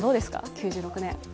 ９６年。